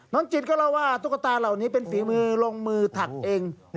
จินก็เล่าว่าตุ๊กตาเหล่านี้เป็นฝีมือลงมือถักเอง